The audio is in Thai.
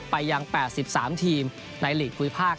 ไปยัง๘๓ทีมในหลีกภูมิภาค